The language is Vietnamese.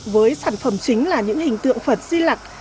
với sản phẩm chính là những hình tượng phật di lạc